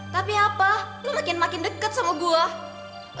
tapi apa lo makin makin deket sama gue